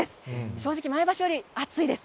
正直、前橋より暑いです。